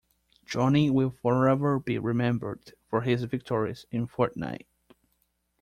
Johnny will forever be remembered for his victories in Fortnite.